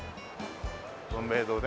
「文明堂」ね。